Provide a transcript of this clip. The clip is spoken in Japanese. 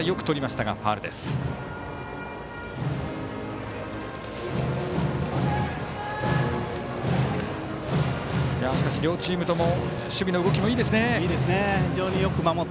しかし、両チームとも守備の動きいいですね。